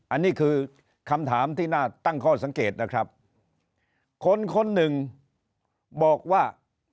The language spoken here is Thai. อันนี้คือคำถามที่น่าตั้งข้อสังเกตนะครับคนคนหนึ่งบอกว่า